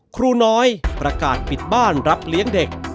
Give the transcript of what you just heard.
ครูน้อยประกาศปิดบ้านรับเลี้ยงเด็ก